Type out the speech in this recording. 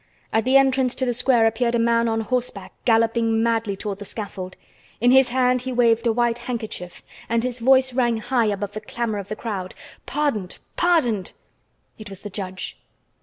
At the entrance to the square appeared a man on horseback, galloping madly toward the scaffold. In his hand he waved a white handkerchief, and his voice rang high above the clamor of the crowd: "Pardoned! Pardoned!" It was the judge.